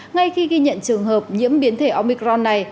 ngay khi ghi nhận trường hợp nhiễm biến thể omicron này